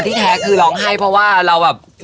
อะที่แท้คือร้องไห้เพราะว่าเรารี่อาจ